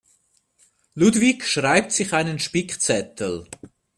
Ludwig schreibt sich einen Spickzettel.